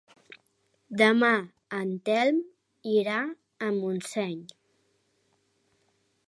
Demà en Telm irà a Montseny.